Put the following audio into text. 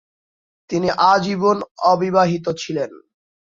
তিনি আজীবন অবিবাহিত ছিলেন।